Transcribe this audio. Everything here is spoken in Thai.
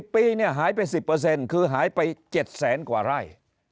ปีหายไป๑๐คือหายไป๗แสนกว่าไร่